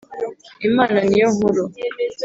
Imana niyonkuru.